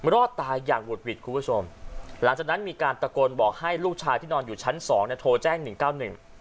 รอดตายอย่างหวุดหวิดครับคุณผู้ชมหลังจากนั้นมีการตะโกนบอกให้ลูกชายที่นอนอยู่ชั้น๒โทรแจ้ง๑๙๑